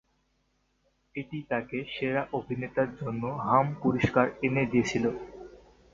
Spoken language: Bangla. এটি তাকে সেরা অভিনেতার জন্য হাম পুরষ্কার এনে দিয়েছিল।